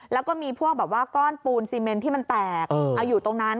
แล้วก็มีพวกแบบว่าก้อนปูนซีเมนที่มันแตกเอาอยู่ตรงนั้น